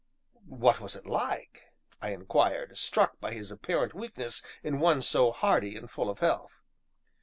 "What was it like?" I inquired, struck by this apparent weakness in one so hardy and full of health.